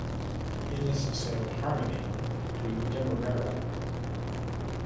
Innis sailed "Harmony" to Demerara.